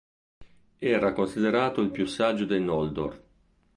Era considerato il più saggio dei Noldor.